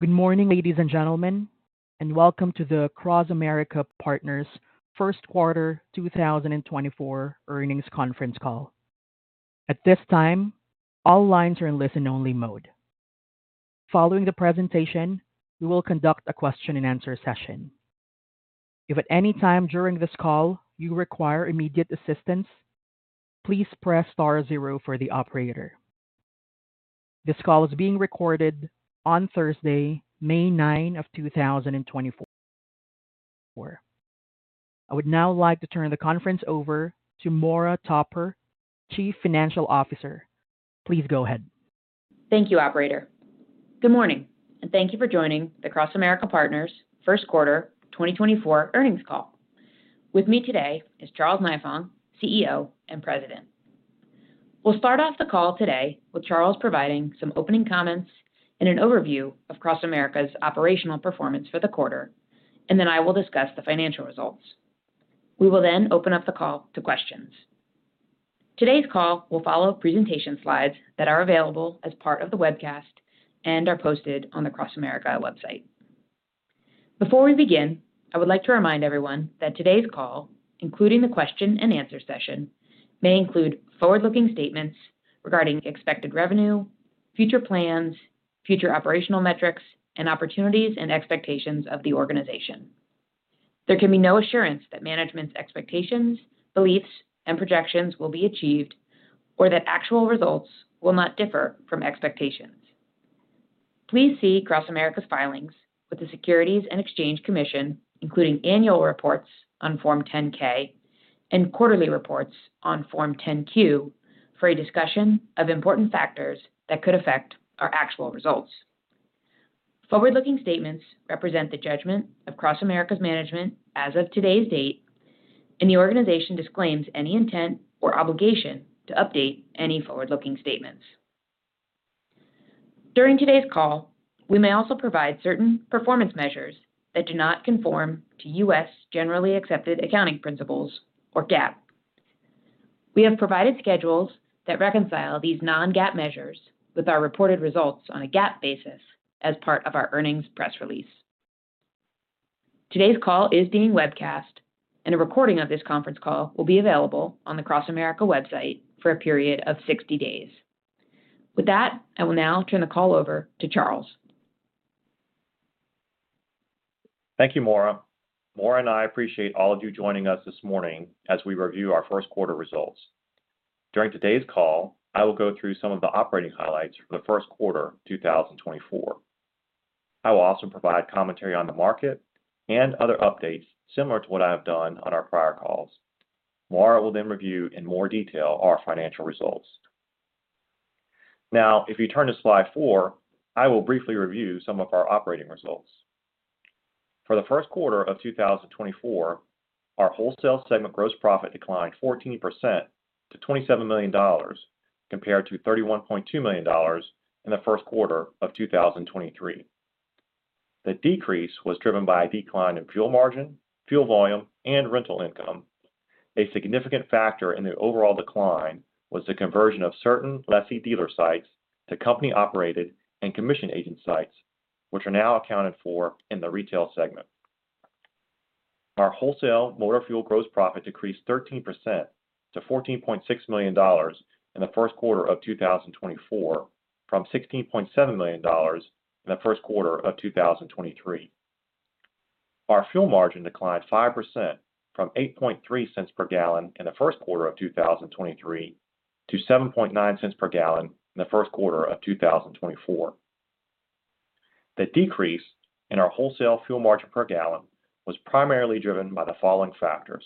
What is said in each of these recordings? Good morning, ladies and gentlemen, and welcome to the CrossAmerica Partners' First Quarter 2024 Earnings Conference Call. At this time, all lines are in listen-only mode. Following the presentation, we will conduct a question-and-answer session. If at any time during this call you require immediate assistance, please press star zero for the operator. This call is being recorded on Thursday, May 9, 2024. I would now like to turn the conference over to Maura Topper, Chief Financial Officer. Please go ahead. Thank you, Operator. Good morning, and thank you for joining the CrossAmerica Partners' First Quarter 2024 Earnings Call. With me today is Charles Nifong, CEO and President. We'll start off the call today with Charles providing some opening comments and an overview of CrossAmerica's operational performance for the quarter, and then I will discuss the financial results. We will then open up the call to questions. Today's call will follow presentation slides that are available as part of the webcast and are posted on the CrossAmerica website. Before we begin, I would like to remind everyone that today's call, including the question-and-answer session, may include forward-looking statements regarding expected revenue, future plans, future operational metrics, and opportunities and expectations of the organization. There can be no assurance that management's expectations, beliefs, and projections will be achieved, or that actual results will not differ from expectations. Please see CrossAmerica's filings with the Securities and Exchange Commission, including annual reports on Form 10-K and quarterly reports on Form 10-Q, for a discussion of important factors that could affect our actual results. Forward-looking statements represent the judgment of CrossAmerica's management as of today's date, and the organization disclaims any intent or obligation to update any forward-looking statements. During today's call, we may also provide certain performance measures that do not conform to U.S. generally accepted accounting principles, or GAAP. We have provided schedules that reconcile these non-GAAP measures with our reported results on a GAAP basis as part of our earnings press release. Today's call is being webcast, and a recording of this conference call will be available on the CrossAmerica website for a period of 60 days. With that, I will now turn the call over to Charles. Thank you, Maura. Maura and I appreciate all of you joining us this morning as we review our first quarter results. During today's call, I will go through some of the operating highlights for the first quarter 2024. I will also provide commentary on the market and other updates similar to what I have done on our prior calls. Maura will then review in more detail our financial results. Now, if you turn to slide four, I will briefly review some of our operating results. For the first quarter of 2024, our wholesale segment gross profit declined 14% to $27 million compared to $31.2 million in the first quarter of 2023. The decrease was driven by a decline in fuel margin, fuel volume, and rental income. A significant factor in the overall decline was the conversion of certain lessee dealer sites to company-operated and commission agent sites, which are now accounted for in the retail segment. Our wholesale motor fuel gross profit decreased 13% to $14.6 million in the first quarter of 2024 from $16.7 million in the first quarter of 2023. Our fuel margin declined 5% from $0.083 per gallon in the first quarter of 2023 to $0.079 per gallon in the first quarter of 2024. The decrease in our wholesale fuel margin per gallon was primarily driven by the following factors.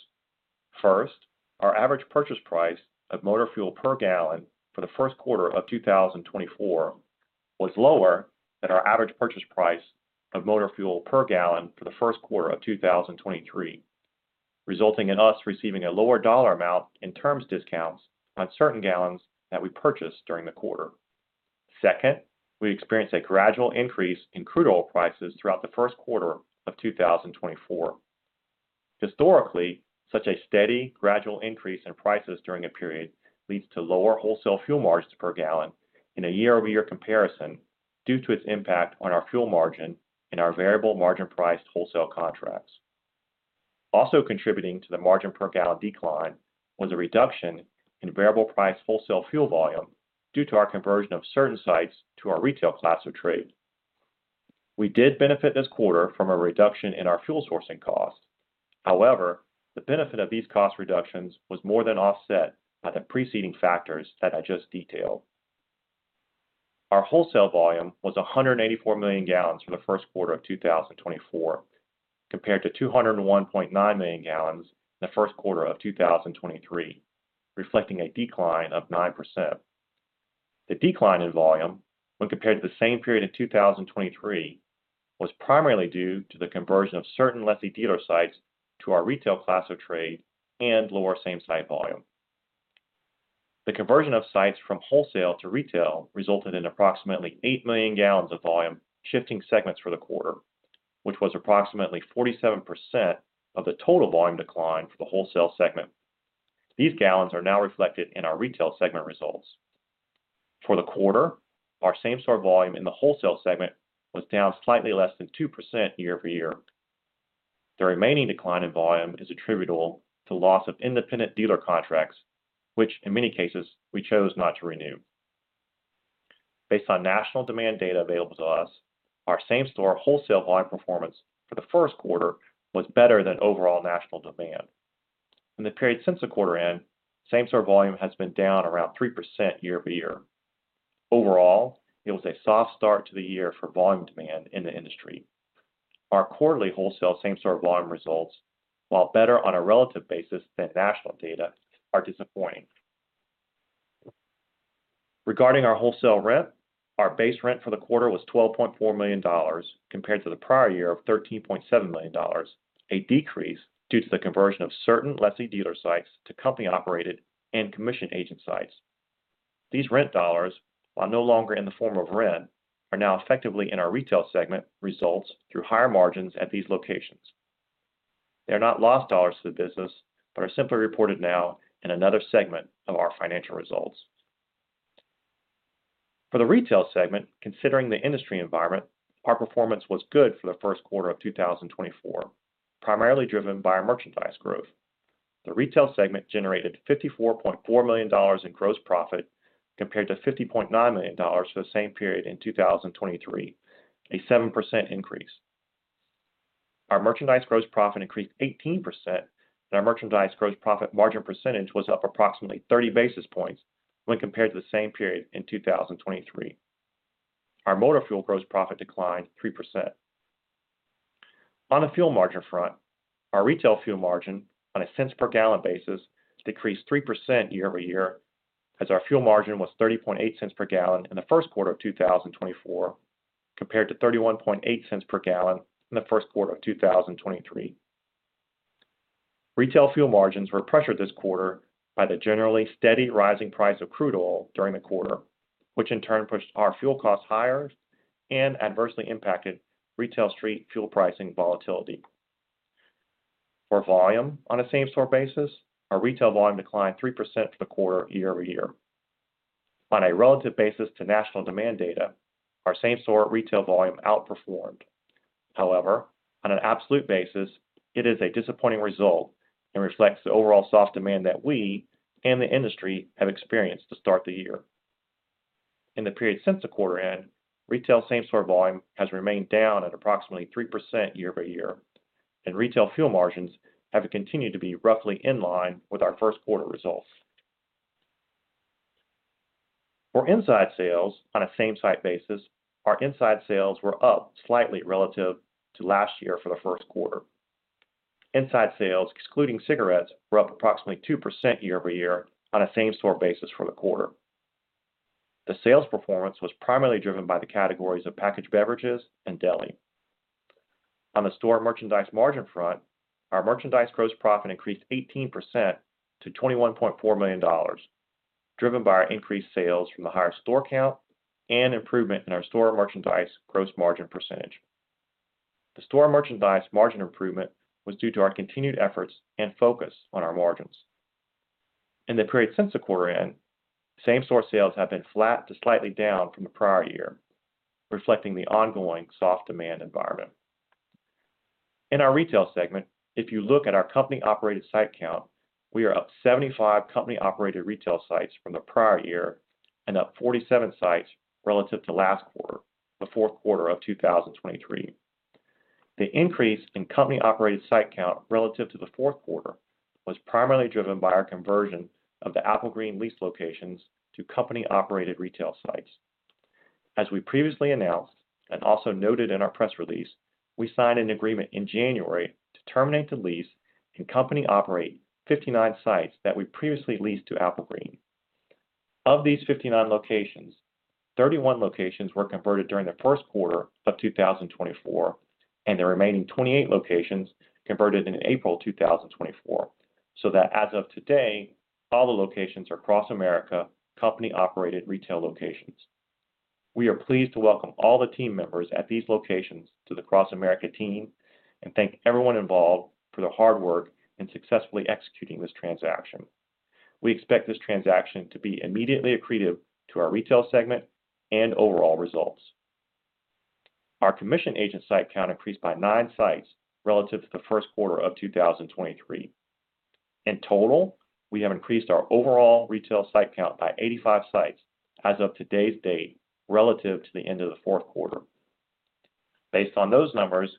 First, our average purchase price of motor fuel per gallon for the first quarter of 2024 was lower than our average purchase price of motor fuel per gallon for the first quarter of 2023, resulting in us receiving a lower dollar amount in terms of discounts on certain gallons that we purchased during the quarter. Second, we experienced a gradual increase in crude oil prices throughout the first quarter of 2024. Historically, such a steady, gradual increase in prices during a period leads to lower wholesale fuel margins per gallon in a year-over-year comparison due to its impact on our fuel margin in our variable margin-priced wholesale contracts. Also contributing to the margin-per-gallon decline was a reduction in variable-priced wholesale fuel volume due to our conversion of certain sites to our retail class of trade. We did benefit this quarter from a reduction in our fuel sourcing cost. However, the benefit of these cost reductions was more than offset by the preceding factors that I just detailed. Our wholesale volume was 184 million gallons for the first quarter of 2024 compared to 201.9 million gallons in the first quarter of 2023, reflecting a decline of 9%. The decline in volume, when compared to the same period in 2023, was primarily due to the conversion of certain lessee dealer sites to our retail class of trade and lower same-store volume. The conversion of sites from wholesale to retail resulted in approximately 8 million gallons of volume shifting segments for the quarter, which was approximately 47% of the total volume decline for the wholesale segment. These gallons are now reflected in our retail segment results. For the quarter, our same-store volume in the wholesale segment was down slightly less than 2% year-over-year. The remaining decline in volume is attributable to loss of independent dealer contracts, which in many cases we chose not to renew. Based on national demand data available to us, our same-store wholesale volume performance for the first quarter was better than overall national demand. In the period since the quarter end, same-store volume has been down around 3% year-over-year. Overall, it was a soft start to the year for volume demand in the industry. Our quarterly wholesale same-store volume results, while better on a relative basis than national data, are disappointing. Regarding our wholesale rent, our base rent for the quarter was $12.4 million compared to the prior year of $13.7 million, a decrease due to the conversion of certain lessee dealer sites to company-operated and commission agent sites. These rent dollars, while no longer in the form of rent, are now effectively in our retail segment results through higher margins at these locations. They are not lost dollars to the business but are simply reported now in another segment of our financial results. For the retail segment, considering the industry environment, our performance was good for the first quarter of 2024, primarily driven by our merchandise growth. The retail segment generated $54.4 million in gross profit compared to $50.9 million for the same period in 2023, a 7% increase. Our merchandise gross profit increased 18%, and our merchandise gross profit margin percentage was up approximately 30 basis points when compared to the same period in 2023. Our motor fuel gross profit declined 3%. On the fuel margin front, our retail fuel margin on a cents-per-gallon basis decreased 3% year-over-year as our fuel margin was $0.308 per gallon in the first quarter of 2024 compared to $0.318 per gallon in the first quarter of 2023. Retail fuel margins were pressured this quarter by the generally steady rising price of crude oil during the quarter, which in turn pushed our fuel costs higher and adversely impacted retail street fuel pricing volatility. For volume on a same-store basis, our retail volume declined 3% for the quarter year-over-year. On a relative basis to national demand data, our same-store retail volume outperformed. However, on an absolute basis, it is a disappointing result and reflects the overall soft demand that we and the industry have experienced to start the year. In the period since the quarter end, retail same-store volume has remained down at approximately 3% year-over-year, and retail fuel margins have continued to be roughly in line with our first quarter results. For inside sales on a same-site basis, our inside sales were up slightly relative to last year for the first quarter. Inside sales, excluding cigarettes, were up approximately 2% year-over-year on a same-store basis for the quarter. The sales performance was primarily driven by the categories of packaged beverages and deli. On the store merchandise margin front, our merchandise gross profit increased 18% to $21.4 million, driven by our increased sales from the higher store count and improvement in our store merchandise gross margin percentage. The store merchandise margin improvement was due to our continued efforts and focus on our margins. In the period since the quarter end, same-store sales have been flat to slightly down from the prior year, reflecting the ongoing soft demand environment. In our retail segment, if you look at our company-operated site count, we are up 75 company-operated retail sites from the prior year and up 47 sites relative to last quarter, the fourth quarter of 2023. The increase in company-operated site count relative to the fourth quarter was primarily driven by our conversion of the Applegreen lease locations to company-operated retail sites. As we previously announced and also noted in our press release, we signed an agreement in January to terminate the lease and company-operate 59 sites that we previously leased to Applegreen. Of these 59 locations, 31 locations were converted during the first quarter of 2024, and the remaining 28 locations converted in April 2024 so that, as of today, all the locations are CrossAmerica company-operated retail locations. We are pleased to welcome all the team members at these locations to the CrossAmerica team and thank everyone involved for their hard work in successfully executing this transaction. We expect this transaction to be immediately accretive to our retail segment and overall results. Our commission agent site count increased by nine sites relative to the first quarter of 2023. In total, we have increased our overall retail site count by 85 sites as of today's date relative to the end of the fourth quarter. Based on those numbers,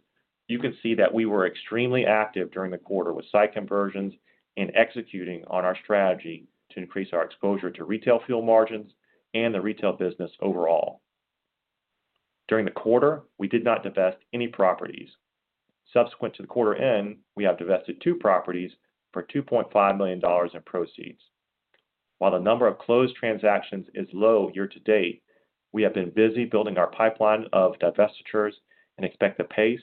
you can see that we were extremely active during the quarter with site conversions and executing on our strategy to increase our exposure to retail fuel margins and the retail business overall. During the quarter, we did not divest any properties. Subsequent to the quarter end, we have divested two properties for $2.5 million in proceeds. While the number of closed transactions is low year-to-date, we have been busy building our pipeline of divestitures and expect the pace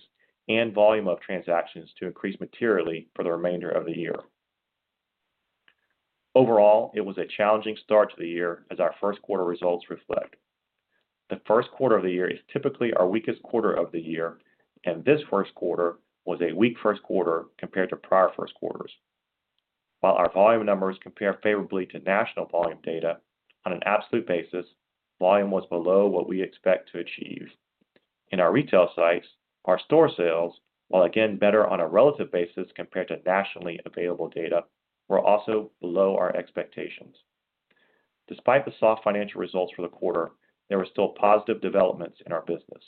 and volume of transactions to increase materially for the remainder of the year. Overall, it was a challenging start to the year as our first quarter results reflect. The first quarter of the year is typically our weakest quarter of the year, and this first quarter was a weak first quarter compared to prior first quarters. While our volume numbers compare favorably to national volume data, on an absolute basis, volume was below what we expect to achieve. In our retail sites, our store sales, while again better on a relative basis compared to nationally available data, were also below our expectations. Despite the soft financial results for the quarter, there were still positive developments in our business.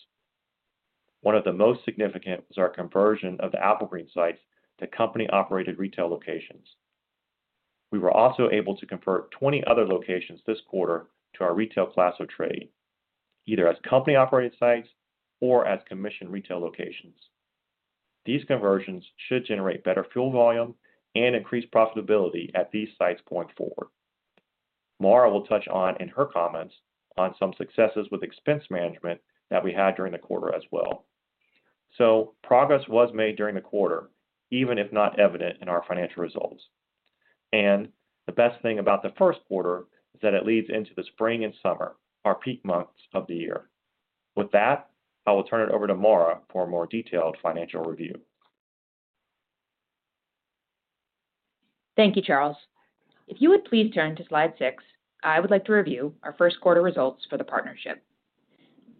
One of the most significant was our conversion of the Applegreen sites to company-operated retail locations. We were also able to convert 20 other locations this quarter to our retail class of trade, either as company-operated sites or as commission retail locations. These conversions should generate better fuel volume and increase profitability at these sites going forward. Maura will touch on in her comments on some successes with expense management that we had during the quarter as well. Progress was made during the quarter, even if not evident in our financial results. The best thing about the first quarter is that it leads into the spring and summer, our peak months of the year. With that, I will turn it over to Maura for a more detailed financial review. Thank you, Charles. If you would please turn to slide six, I would like to review our first quarter results for the partnership.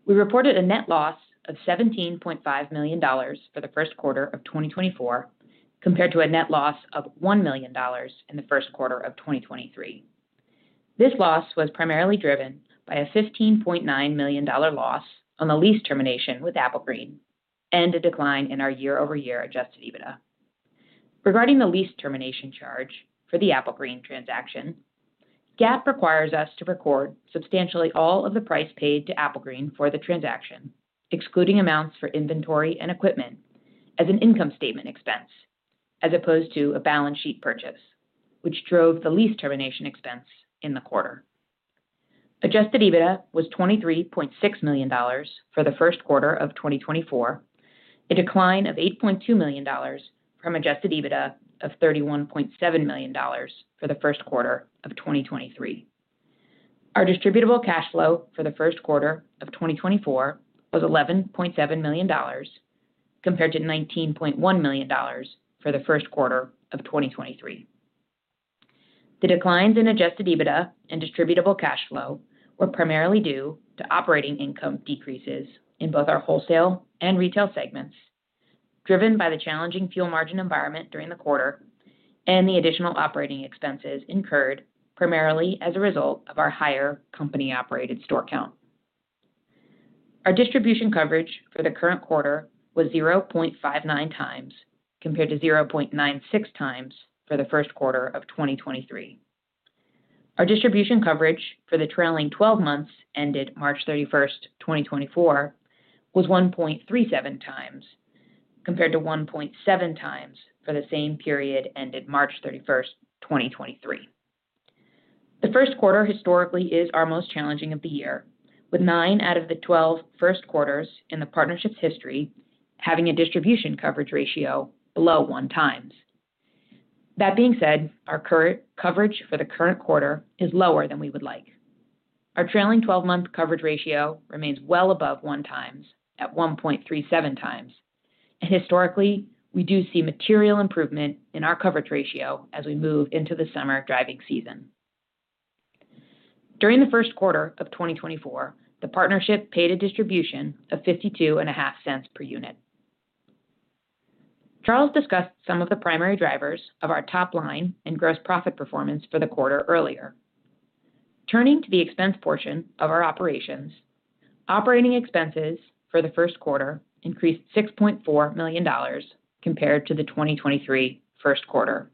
We reported a net loss of $17.5 million for the first quarter of 2024 compared to a net loss of $1 million in the first quarter of 2023. This loss was primarily driven by a $15.9 million loss on the lease termination with Applegreen and a decline in our year-over-year adjusted EBITDA. Regarding the lease termination charge for the Applegreen transaction, GAAP requires us to record substantially all of the price paid to Applegreen for the transaction, excluding amounts for inventory and equipment as an income statement expense as opposed to a balance sheet purchase, which drove the lease termination expense in the quarter. Adjusted EBITDA was $23.6 million for the first quarter of 2024, a decline of $8.2 million from adjusted EBITDA of $31.7 million for the first quarter of 2023. Our distributable cash flow for the first quarter of 2024 was $11.7 million compared to $19.1 million for the first quarter of 2023. The declines in adjusted EBITDA and distributable cash flow were primarily due to operating income decreases in both our wholesale and retail segments, driven by the challenging fuel margin environment during the quarter and the additional operating expenses incurred primarily as a result of our higher company-operated store count. Our distribution coverage for the current quarter was 0.59x compared to 0.96x for the first quarter of 2023. Our distribution coverage for the trailing 12 months ended March 31, 2024, was 1.37x compared to 1.7x for the same period ended March 31, 2023. The first quarter historically is our most challenging of the year, with nine out of the 12 first quarters in the partnership's history having a distribution coverage ratio below 1x. That being said, our coverage for the current quarter is lower than we would like. Our trailing 12-month coverage ratio remains well above 1x at 1.37x, and historically, we do see material improvement in our coverage ratio as we move into the summer driving season. During the first quarter of 2024, the partnership paid a distribution of $0.525 per unit. Charles discussed some of the primary drivers of our top line and gross profit performance for the quarter earlier. Turning to the expense portion of our operations, operating expenses for the first quarter increased $6.4 million compared to the 2023 first quarter.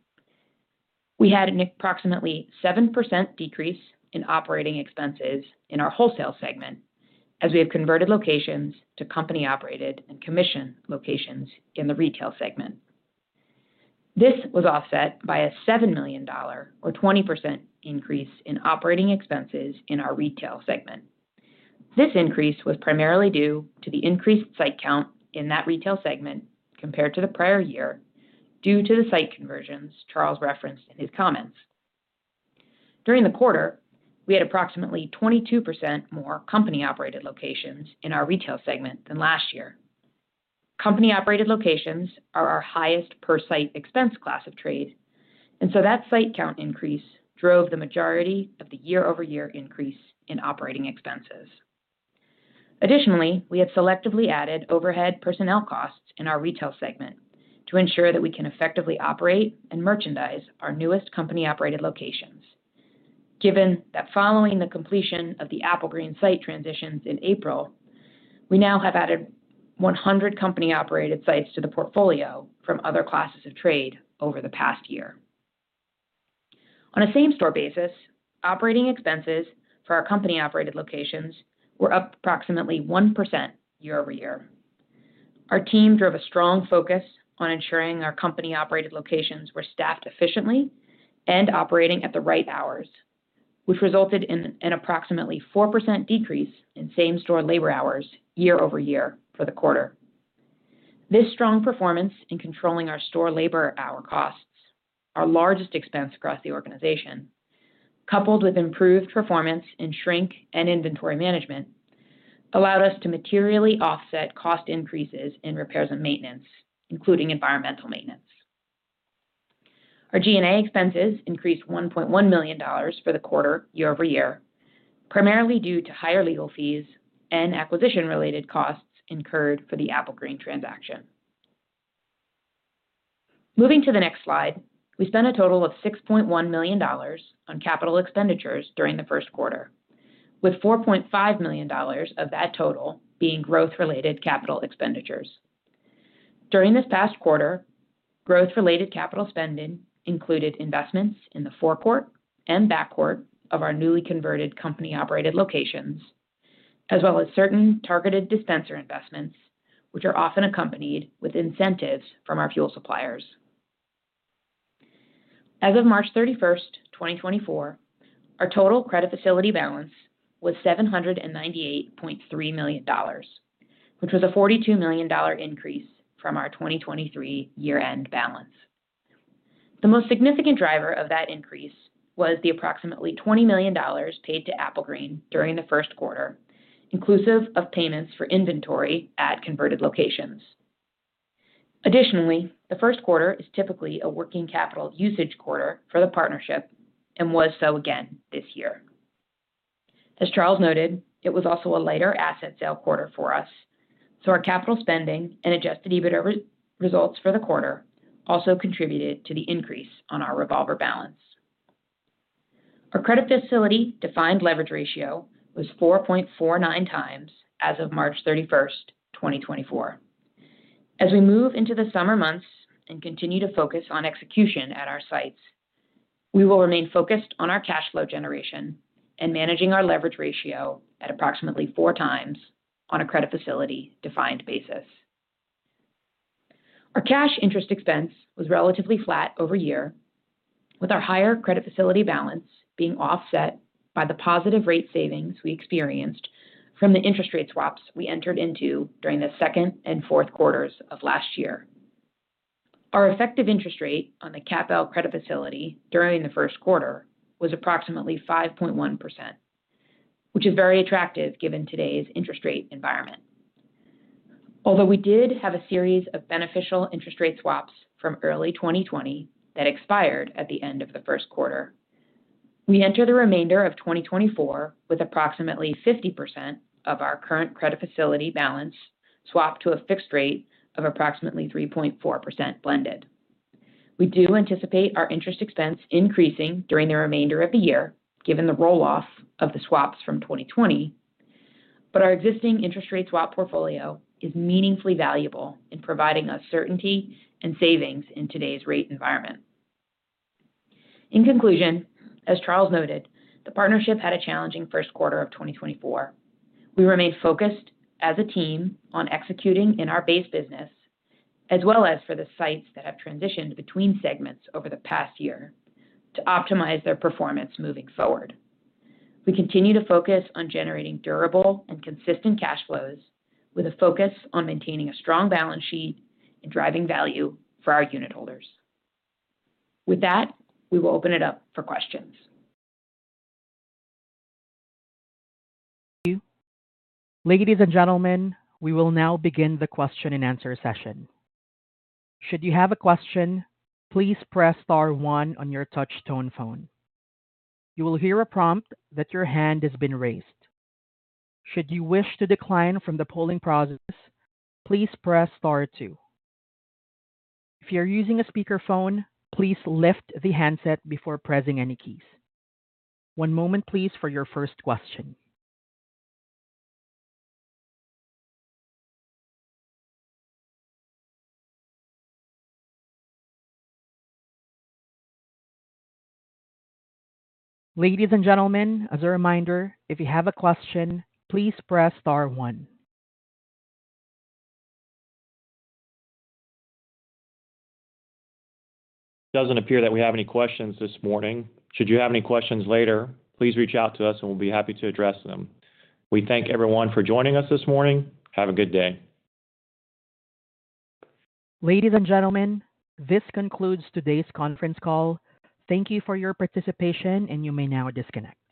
We had an approximately 7% decrease in operating expenses in our wholesale segment as we have converted locations to company-operated and commission locations in the retail segment. This was offset by a $7 million or 20% increase in operating expenses in our retail segment. This increase was primarily due to the increased site count in that retail segment compared to the prior year due to the site conversions Charles referenced in his comments. During the quarter, we had approximately 22% more company-operated locations in our retail segment than last year. Company-operated locations are our highest per-site expense class of trade, and so that site count increase drove the majority of the year-over-year increase in operating expenses. Additionally, we have selectively added overhead personnel costs in our retail segment to ensure that we can effectively operate and merchandise our newest company-operated locations. Given that following the completion of the Applegreen site transitions in April, we now have added 100 company-operated sites to the portfolio from other classes of trade over the past year. On a same-store basis, operating expenses for our company-operated locations were up approximately 1% year-over-year. Our team drove a strong focus on ensuring our company-operated locations were staffed efficiently and operating at the right hours, which resulted in an approximately 4% decrease in same-store labor hours year-over-year for the quarter. This strong performance in controlling our store labor hour costs, our largest expense across the organization, coupled with improved performance in shrink and inventory management, allowed us to materially offset cost increases in repairs and maintenance, including environmental maintenance. Our G&A expenses increased $1.1 million for the quarter year-over-year, primarily due to higher legal fees and acquisition-related costs incurred for the Applegreen transaction. Moving to the next slide, we spent a total of $6.1 million on capital expenditures during the first quarter, with $4.5 million of that total being growth-related capital expenditures. During this past quarter, growth-related capital spending included investments in the forecourt and backcourt of our newly converted company-operated locations, as well as certain targeted dispenser investments, which are often accompanied with incentives from our fuel suppliers. As of March 31, 2024, our total credit facility balance was $798.3 million, which was a $42 million increase from our 2023 year-end balance. The most significant driver of that increase was the approximately $20 million paid to Applegreen during the first quarter, inclusive of payments for inventory at converted locations. Additionally, the first quarter is typically a working capital usage quarter for the partnership and was so again this year. As Charles noted, it was also a lighter asset sale quarter for us, so our capital spending and adjusted EBITDA results for the quarter also contributed to the increase on our revolver balance. Our credit facility defined leverage ratio was 4.49x as of March 31, 2024. As we move into the summer months and continue to focus on execution at our sites, we will remain focused on our cash flow generation and managing our leverage ratio at approximately 4x on a credit facility defined basis. Our cash interest expense was relatively flat year-over-year, with our higher credit facility balance being offset by the positive rate savings we experienced from the interest rate swaps we entered into during the second and fourth quarters of last year. Our effective interest rate on the CAPL credit facility during the first quarter was approximately 5.1%, which is very attractive given today's interest rate environment. Although we did have a series of beneficial interest rate swaps from early 2020 that expired at the end of the first quarter, we enter the remainder of 2024 with approximately 50% of our current credit facility balance swapped to a fixed rate of approximately 3.4% blended. We do anticipate our interest expense increasing during the remainder of the year given the rolloff of the swaps from 2020, but our existing interest rate swap portfolio is meaningfully valuable in providing us certainty and savings in today's rate environment. In conclusion, as Charles noted, the partnership had a challenging first quarter of 2024. We remained focused as a team on executing in our base business as well as for the sites that have transitioned between segments over the past year to optimize their performance moving forward. We continue to focus on generating durable and consistent cash flows with a focus on maintaining a strong balance sheet and driving value for our unit holders. With that, we will open it up for questions. Thank you. Ladies and gentlemen, we will now begin the question-and-answer session. Should you have a question, please press star one on your touch-tone phone. You will hear a prompt that your hand has been raised. Should you wish to decline from the polling process, please press star two. If you are using a speakerphone, please lift the handset before pressing any keys. One moment please for your first question. Ladies and gentlemen, as a reminder, if you have a question, please press star one. It doesn't appear that we have any questions this morning. Should you have any questions later, please reach out to us and we'll be happy to address them. We thank everyone for joining us this morning. Have a good day. Ladies and gentlemen, this concludes today's conference call. Thank you for your participation, and you may now disconnect.